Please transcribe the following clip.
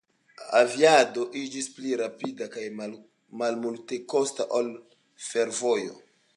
Aviado iĝis pli rapida kaj malmultekosta ol fervojo.